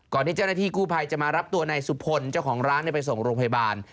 ที่เจ้าหน้าที่กู้ภัยจะมารับตัวนายสุพลเจ้าของร้านไปส่งโรงพยาบาล